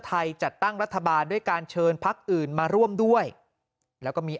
จัดตั้งรัฐบาลด้วยการเชิญพักอื่นมาร่วมด้วยแล้วก็มี